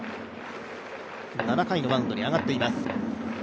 ７回のマウンドに上がっています。